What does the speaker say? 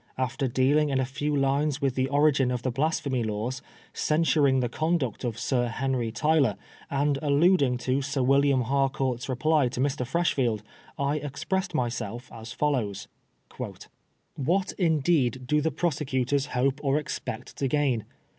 After dealing in a few lines with the origin of the Blasphemy Laws, censuring the conduct of Sir Henry Tyler, and allud ing to Sir. William Harcourt's reply to Mr. Freshfield, I expressed myself as follows :—" What, indeed, do the prosecutors hope or expect to gain?